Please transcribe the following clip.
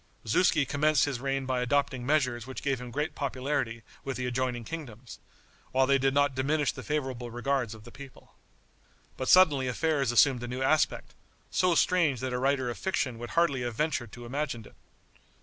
Zuski commenced his reign by adopting measures which gave him great popularity with the adjoining kingdoms, while they did not diminish the favorable regards of the people. But suddenly affairs assumed a new aspect, so strange that a writer of fiction would hardly have ventured to imagine it.